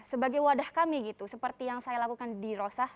sebagai wadah kami gitu seperti yang saya lakukan di rosah